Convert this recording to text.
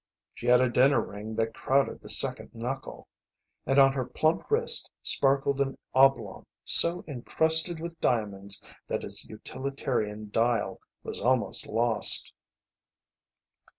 She had a dinner ring that crowded the second knuckle, and on her plump wrist sparkled an oblong so encrusted with diamonds that its utilitarian dial was almost lost.